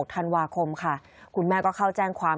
ธันวาคมค่ะคุณแม่ก็เข้าแจ้งความ